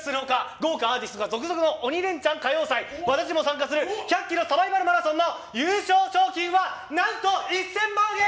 豪華アーティストが続々の「鬼レンチャン」歌謡祭私も参加する１００ｋｍサバイバルマラソンの優勝賞金は何と１０００万円。